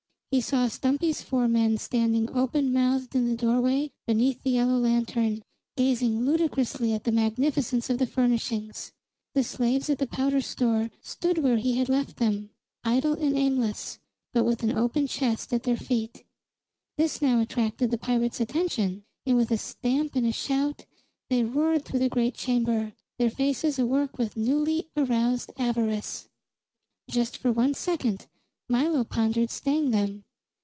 He saw Stumpy's four men standing open mouthed in the doorway beneath the yellow lantern, gazing ludicrously at the magnificence of the furnishings. The slaves at the powder store stood where he had left them, idle and aimless, but with an open chest at their feet. This now attracted the pirates' attention, and with a stamp and a shout they roared through the great chamber, their faces awork with newly aroused avarice. Just for one second Milo pondered staying them.